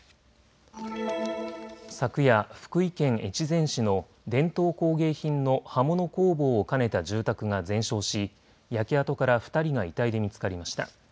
昨夜、福井県越前市の伝統工芸品の刃物工房を兼ねた住宅が全焼し焼け跡から２人が遺体で見つかりました。